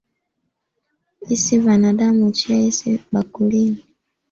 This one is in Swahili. Isi vanadamu huchia isi bakulini